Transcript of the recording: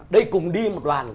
đây cùng đi một đoàn